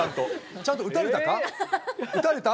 ちゃんと撃たれたか。